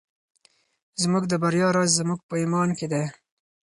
زموږ د بریا راز په زموږ په ایمان کې دی.